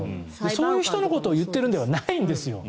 そういう人のことを言っているんではないんですよ。